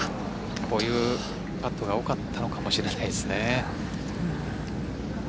こういうパットが多かったのかもしれないですね。